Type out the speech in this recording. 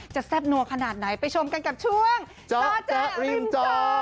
แซ่บนัวขนาดไหนไปชมกันกับช่วงจอแจ๊ริมจอ